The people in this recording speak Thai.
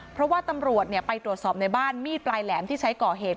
เพราะว่าตำรวจไปตรวจสอบในบ้านมีดปลายแหลมที่ใช้ก่อเหตุ